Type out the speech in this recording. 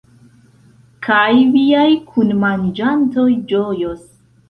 Kaj viaj kunmanĝantoj ĝojos.